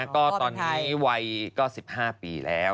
ก็ตอนนี้วัยก็๑๕ปีแล้ว